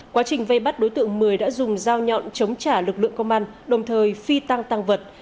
quá trình vây bắt đối tượng mười đã dùng dao nhọn chống trả lực lượng công an đồng thời phi tăng tăng vật